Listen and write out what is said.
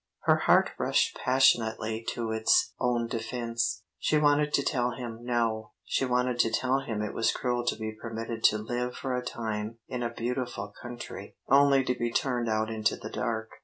Her heart rushed passionately to its own defence; she wanted to tell him no! She wanted to tell him it was cruel to be permitted to live for a time in a beautiful country, only to be turned out into the dark.